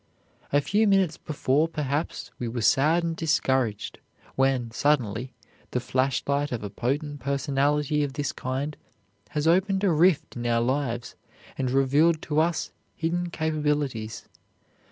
A few minutes before, perhaps, we were sad and discouraged, when, suddenly, the flashlight of a potent personality of this kind has opened a rift in our lives and revealed to us hidden capabilities.